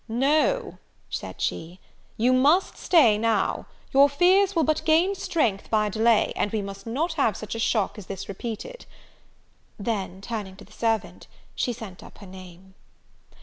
"No," said she; "you must stay now: your fears will but gain strength by delay; and we must not have such a shock as this repeated." Then, turning to the servant, she sent up her name.